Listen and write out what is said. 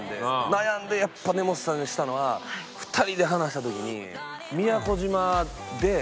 悩んでやっぱ根本さんにしたのは２人で話した時に。